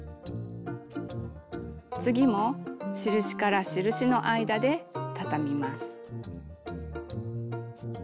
次も印から印の間でたたみます。